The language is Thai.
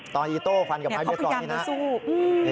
ตอนดีอีโต้ฟันกับไม้เบสบอลนี่นะ